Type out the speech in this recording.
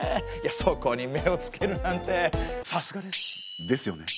そこに目をつけるなんてさすがです！ですよね。